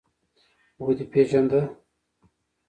ودې پېژانده.